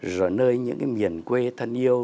rồi nơi những cái miền quê thân yêu